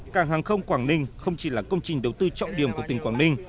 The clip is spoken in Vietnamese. cảng hàng không quảng ninh không chỉ là công trình đầu tư trọng điểm của tỉnh quảng ninh